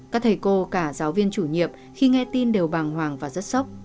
các thầy cô cả giáo viên chủ nhiệm khi nghe tin đều bàng hoàng và rất sốc